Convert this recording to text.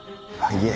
いえ。